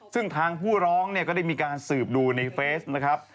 ซึ่งทางผู้ร้องเนี่ยก็ได้มีการสืบดูในเฟสนะครับ